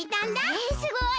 えっすごい！